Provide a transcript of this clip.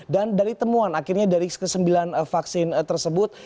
dan dari temuan akhirnya dari sembilan vaksin tersebut